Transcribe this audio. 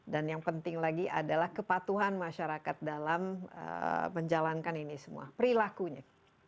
dan yang penting lagi adalah kepatuhan masyarakat dalam menjalankan ini semua perilakunya